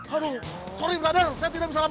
aduh sorry brother saya tidak bisa lama lama